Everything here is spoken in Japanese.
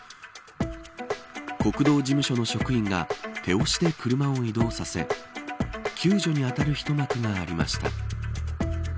国道事務所の職員が手押しで車を移動させ救助に当たる一幕がありました。